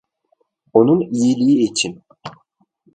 Onun iyiliği için.